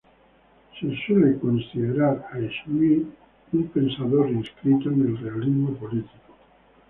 Schmitt suele ser ubicado como un pensador inscrito en el realismo político.